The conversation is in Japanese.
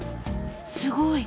すごい！